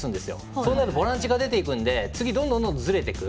そうなるとボランチが出てくるので次がどんどんずれていく。